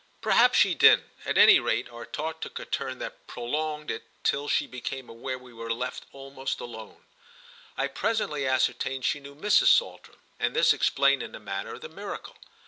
Perhaps she didn't; at any rate our talk took a turn that prolonged it till she became aware we were left almost alone. I presently ascertained she knew Mrs. Saltram, and this explained in a manner the miracle.